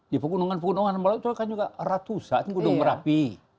di pegunungan pegunungan bawah laut itu kan juga ratusan gunung rapi